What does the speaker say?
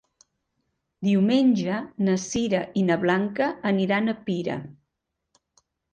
Diumenge na Sira i na Blanca aniran a Pira.